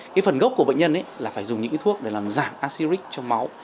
cái phần gốc của bệnh nhân là phải dùng những thuốc để làm giảm aceric cho máu